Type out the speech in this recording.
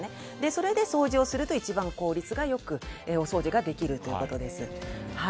それで掃除をすると一番効率が良く掃除ができるということです。